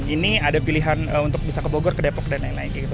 ini ada pilihan untuk bisa ke bogor ke depok dan lain lain gitu